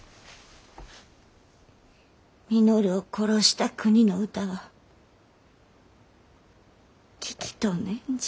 稔を殺した国の歌は聴きとうねんじゃ。